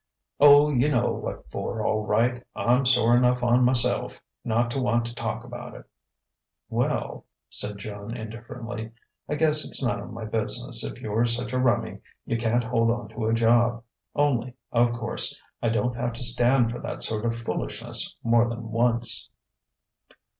"Oh, you know what for, all right. I'm sore enough on myself not to want to talk about it." "Well," said Joan indifferently, "I guess it's none of my business if you're such a rummy you can't hold onto a job. Only, of course, I don't have to stand for that sort of foolishness more than once."